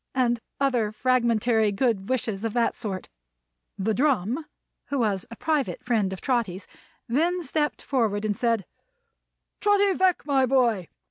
and other fragmentary good wishes of that sort. The Drum (who was a private friend of Trotty's) then stepped forward and said: "Trotty Veck, my boy!